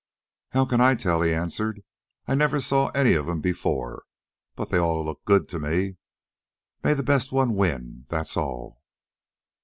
"How can I tell!" he answered. "I never saw any of 'em before. But they all look good to me. May the best one win, that's all."